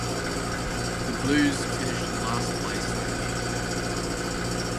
The Blues finished in last place that year.